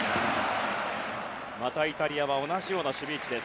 またイタリアは同じような守備位置です。